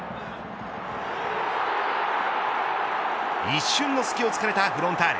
一瞬の隙を突かれたフロンターレ。